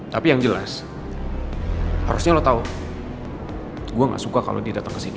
tapi yang jelas harusnya lo tau gue gak suka kalau dia datang ke sini